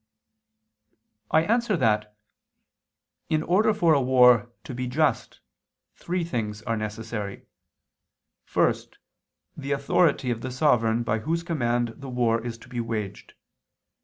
I answer that, In order for a war to be just, three things are necessary. First, the authority of the sovereign by whose command the war is to be waged.